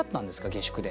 下宿で。